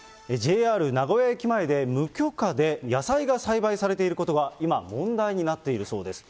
名古屋駅前で、無許可で野菜が栽培されていることが、今、問題になっているそうです。